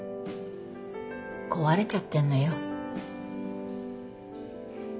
壊れちゃってんのよ。